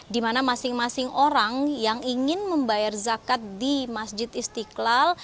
di mana masing masing orang yang ingin membayar zakat di masjid istiqlal